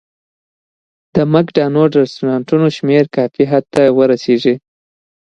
د مک ډونالډ رستورانتونو شمېر کافي حد ته ورسېږي.